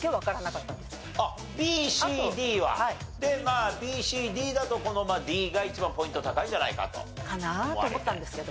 でまあＢＣＤだとこのまあＤが一番ポイント高いんじゃないかと？かなと思ったんですけど。